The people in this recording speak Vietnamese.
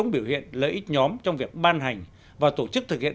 biểu hiện lợi ích nhóm trong việc ban hành và tổ chức thực hiện